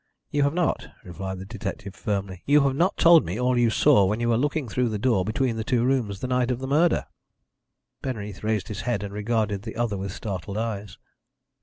"You have not," replied the detective firmly. "You have not told me all you saw when you were looking through the door between the two rooms the night of the murder." Penreath raised his head and regarded the other with startled eyes.